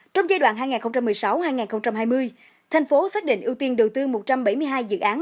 trong giai đoạn hai nghìn một mươi sáu hai nghìn hai mươi thành phố xác định ưu tiên đầu tư một trăm bảy mươi hai dự án